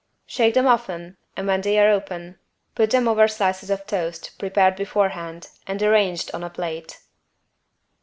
Shake them often and when they are open, put them over slices of toast prepared beforehand and arranged on a plate.